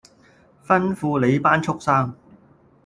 吩咐你班畜牲